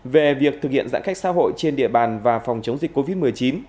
về việc thực hiện giãn cách xã hội trên địa bàn và phòng chống dịch covid một mươi chín